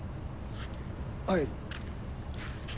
はい。